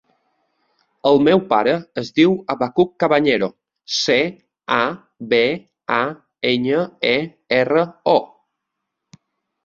El meu pare es diu Habacuc Cabañero: ce, a, be, a, enya, e, erra, o.